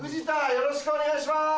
よろしくお願いします。